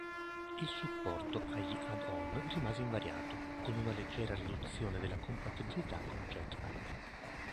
Il supporto agli add-on rimase invariato, con una leggera riduzione della compatibilità con Jetpack.